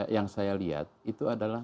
yang saya lihat itu adalah